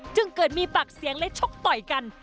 จึงเกิดมีปากเสียงและชกต่อยกัน